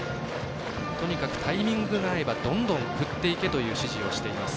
とにかくタイミングが合えばどんどん振っていけという指示をしています。